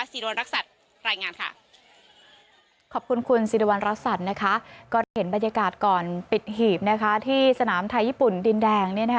สิรวรรณรักษัตริย์รายงานค่ะ